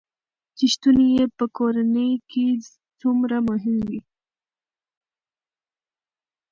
چې شتون يې په کورنے کې څومره مهم وي